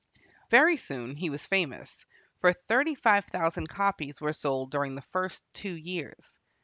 Very soon he was famous, for thirty five thousand copies were sold during the first two years.